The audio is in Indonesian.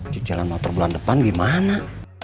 cicilan motor bulan depan gimana